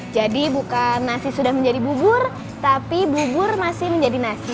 jadi bukan nasi sudah menjadi bubur tapi bubur masih menjadi nasi